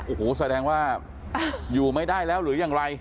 โอ้โหแสดงว่าอยู่ไม่ได้แล้วหรือยังไร